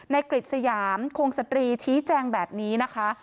กฤษยามคงสตรีชี้แจงแบบนี้นะคะ